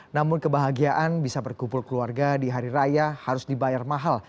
namun kebahagiaan bisa berkumpul keluarga di hari raya harus dibayar mahal